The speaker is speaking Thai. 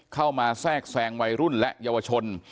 เข้ามาแทรกแสงวัยรุ่นและเยาวชน